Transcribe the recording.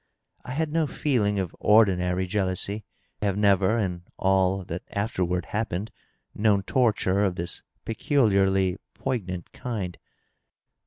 I had no feeling of ordinary jealousy ; have never, in all that afterward happened, known torture of this peculiarly poignant kind.